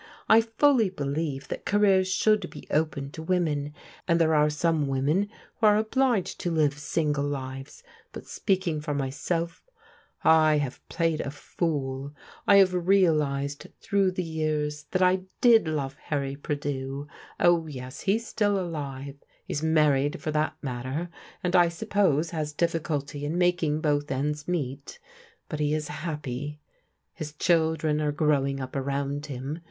I fully believe that careers should be open to women, and there are some women who are obliged to live single lives, but speaking for myself, I have played a fool. I have realized through the years that I did love Harry Prideaux. Oh, yes, he's still alive — ^he's married for that matter — ^and I suppose ■Jpas difficulty in tnaVon^ \)o>3cl ^s^^ T[y^\.\\»3&.\^<^ ^& ha^y^ 4t MISS STATHAM" 355 His children are growing up around him.